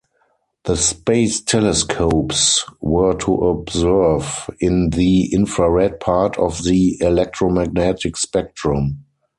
The space telescopes were to observe in the infrared part of the electromagnetic spectrum.